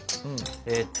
えっと。